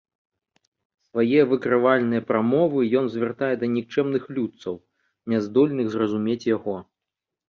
Свае выкрывальныя прамовы ён звяртае да нікчэмных людцаў, няздольных зразумець яго.